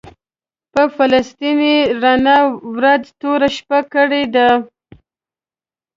په فلسطین یې رڼا ورځ توره شپه کړې ده.